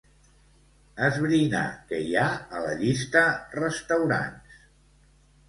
Esbrinar què hi ha a la llista "restaurants".